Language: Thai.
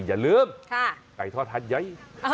อย่าลืมไก่ทอดหัดใหญ่